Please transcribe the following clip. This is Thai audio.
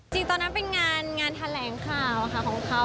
จริงตอนนั้นเป็นงานงานแถลงข่าวของเค้า